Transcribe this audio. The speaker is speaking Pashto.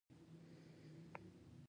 د لوست هدف پوهېدل دي.